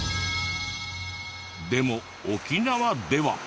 でも沖縄では。